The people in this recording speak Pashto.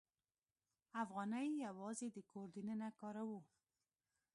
افغانۍ یوازې د کور دننه کاروو.